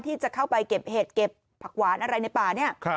ที่จะเข้าไปเก็บเห็ดเก็บผักหวานอะไรในป่าเนี่ย